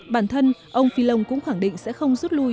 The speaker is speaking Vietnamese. bản thân ông fillon cũng khẳng định sẽ không rút lui